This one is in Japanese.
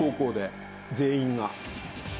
全員が。